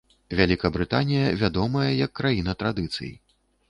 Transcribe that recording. Вялікабрытанія вядомая як краіна традыцый.